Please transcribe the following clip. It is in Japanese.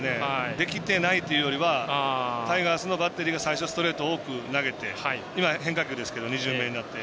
できてないというよりはタイガースのバッテリーが最初、ストレート多く投げて今、変化球ですけど２巡目になって。